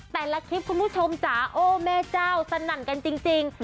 แต่ละคลิปคุณผู้ชมจ๋าโอ้แม่เจ้าสนั่นกันจริง